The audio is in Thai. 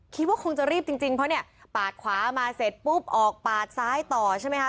คิดว่าคงจะรีบจริงเพราะเนี่ยปาดขวามาเสร็จปุ๊บออกปาดซ้ายต่อใช่ไหมคะ